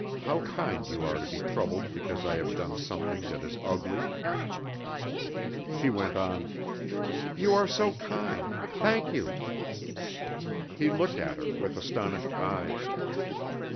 how kind you are to be troubled because I have done something that is ugly!") She went on: "You are so kind. Thank you." (He looked at her with astonished eyes.)